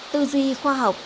tư duy khoa học